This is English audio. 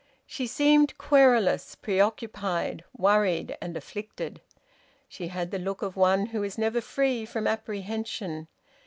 She seemed querulous, preoccupied, worried, and afflicted. She had the look of one who is never free from apprehension.